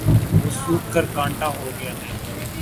وہ سوکھ کر کانٹا ہو گیا ہے